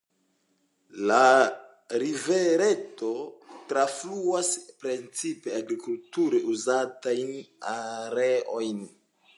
La rivereto trafluas precipe agrikulture uzatajn areojn.